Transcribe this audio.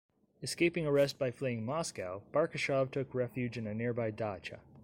Escaping arrest by fleeing Moscow, Barkashov took refuge in a nearby dacha.